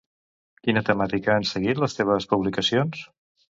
Quina temàtica han seguit les seves publicacions?